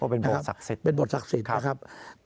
เป็นบทศักดิ์สิตเป็นบทศักดิ์สิตนะครับ